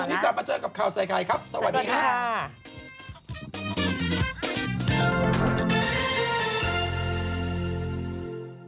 วันนี้กลับมาเจอกับข่าวใส่ไข่ครับสวัสดีครับ